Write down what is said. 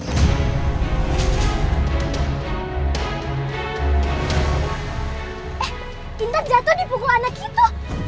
eh bintang jatuh di pukul anak kita